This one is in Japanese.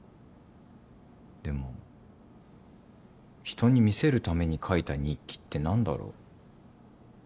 でも人に見せるために書いた日記って何だろう。